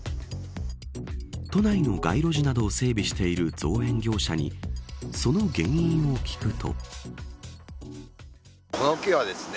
都内の街路樹などを整備している造園業者にその原因を聞くと。